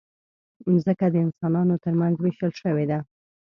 مځکه د انسانانو ترمنځ وېشل شوې ده.